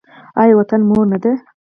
آیا وطن مور نه ده؟